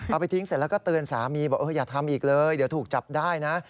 เอาไปทิ้งเสร็จแล้วก็เตือนสามีบอกอย่าทำอีกเลยเดี๋ยวถูกจับได้นะ